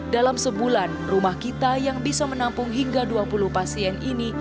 dalam sebulan rumah kita yang bisa menampung hingga dua puluh pasien ini